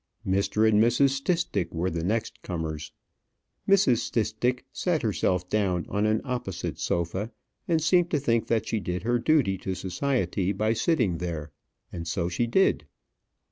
Mr. and Mrs. Stistick were the next comers. Mrs. Stistick sat herself down on an opposite sofa, and seemed to think that she did her duty to society by sitting there. And so she did.